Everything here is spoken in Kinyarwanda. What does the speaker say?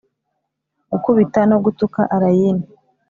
gukubita, no gutuka allayne.